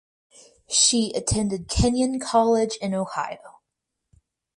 She attended Kenyon College in Ohio.